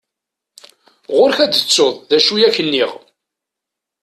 Ɣur-k ad tettuḍ d acu i ak-nniɣ.